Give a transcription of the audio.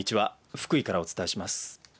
福井からお伝えします。